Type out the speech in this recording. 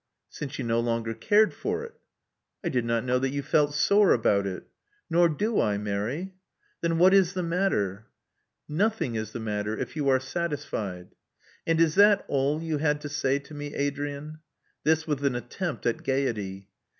Since you no longer cared for it." I did not know that you felt sore about it." "Nor do I, Mary." Then what is the matter?" "Nothing is the matter, if you are satisfied." "And is that all you had^ to say to me, Adrian?" This with an attempt at gaiety.